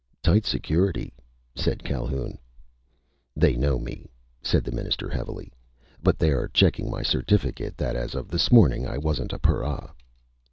"Tight security," said Calhoun. "They know me," said the Minister heavily, "but they are checking my certificate that as of morning I wasn't a para."